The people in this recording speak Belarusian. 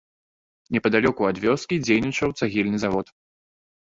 Непадалёку ад вёскі дзейнічаў цагельны завод.